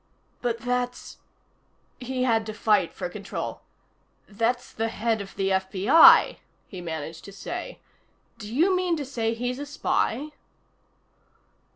"But that's " He had to fight for control. "That's the head of the FBI," he managed to say. "Do you mean to say he's a spy?"